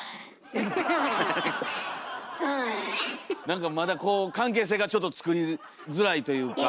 なんかまだ関係性がちょっとつくりづらいというか。